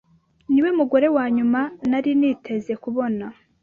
Niwe mugore wanyuma nari niteze kubona.